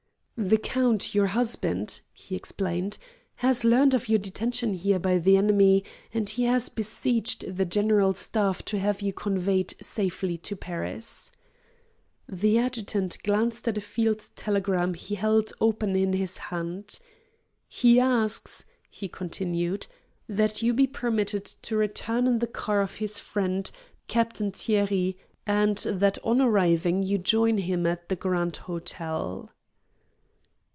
"The count, your husband," he explained, "has learned of your detention here by the enemy, and he has besieged the General Staff to have you convoyed safely to Paris." The adjutant glanced at a field telegram he held open in his hand. "He asks," he continued, "that you be permitted to return in the car of his friend, Captain Thierry, and that on arriving you join him at the Grand Hôtel."